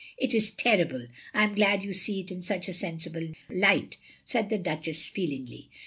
" It is terrible. I am glad you see it in such a sensible light," said the Duchess, feelingly.